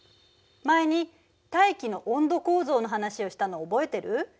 前に大気の温度構造の話をしたの覚えてる？